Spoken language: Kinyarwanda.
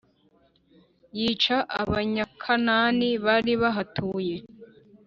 yica Abanyakanāni bari bahatuye